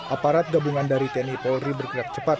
aparat gabungan dari tni polri bergerak cepat